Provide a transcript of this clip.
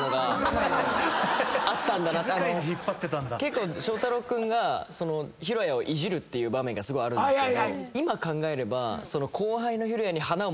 結構祥太朗君が尋也をいじるっていう場面がすごいあるんですけど今考えれば。